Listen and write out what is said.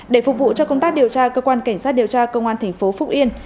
để phục vụ cho công tác điều tra cơ quan cảnh sát điều tra công an thành phố phúc yên